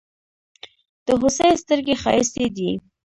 د هوسۍ ستړگي ښايستې دي.